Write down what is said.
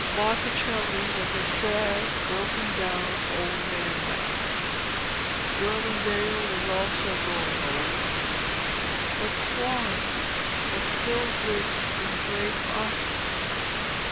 Botticelli was a sad, broken down old man now, and Ghirlandaio was also growing old, but Florence was still rich in great artists.